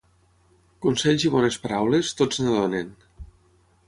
Consells i bones paraules, tots en donen.